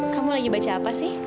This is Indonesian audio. kamu lagi baca apa sih